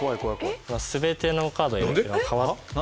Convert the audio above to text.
全てのカード変わって。